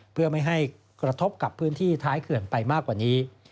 เพื่อไม่ให้กระทบกับพื้นที่ท้ายเขื่อนไปมากกว่านี้